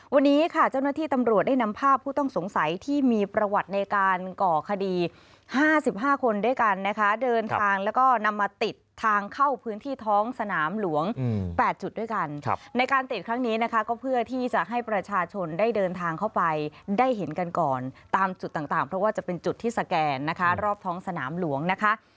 วันนี้ค่ะเจ้าหน้าที่ตำรวจได้นำภาพผู้ต้องสงสัยที่มีประวัติในการก่อคดี๕๕คนด้วยกันนะคะเดินทางแล้วก็นำมาติดทางเข้าพื้นที่ท้องสนามหลวง๘จุดด้วยกันในการติดครั้งนี้นะคะก็เพื่อที่จะให้ประชาชนได้เดินทางเข้าไปได้เห็นกันก่อนตามจุดต่างเพราะว่าจะเป็นจุดที่สแกนนะคะรอบท้องสนามหลวงนะคะ